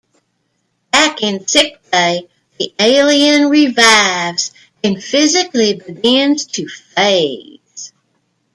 Back in Sickbay, the alien revives and physically begins to phase.